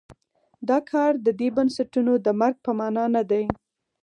دا کار د دې بنسټونو د مرګ په معنا نه دی.